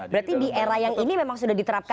berarti di era yang ini memang sudah diterapkan